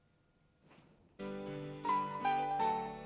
mau cewek hidup bakalan susah nya